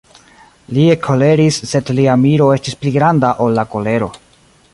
Li ekkoleris, sed lia miro estis pli granda, ol la kolero.